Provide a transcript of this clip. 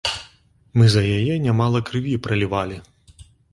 Мы за яе нямала крыві пралівалі!